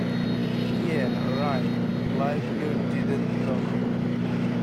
Yeah, right, like you didn't know!